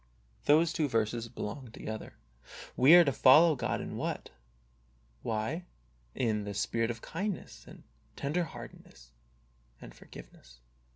Those two verses belong together. We are to follow God in what ? Why in the spirit of kindness and tender hearted ness and forgiveness.